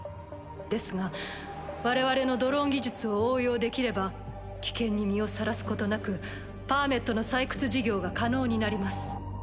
ですが我々のドローン技術を応用できれば危険に身をさらすことなくパーメットの採掘事業が可能になります。